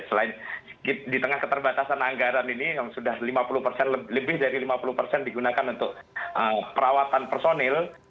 selain di tengah keterbatasan anggaran ini yang sudah lima puluh persen lebih dari lima puluh persen digunakan untuk perawatan personil